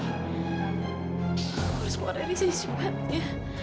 aku harus keluar dari sini secepatnya